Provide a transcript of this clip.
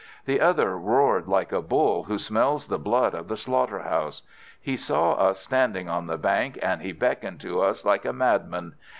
The other roared like a bull who smells the blood of the slaughter house. He saw us standing on the bank, and he beckoned to us like a madman.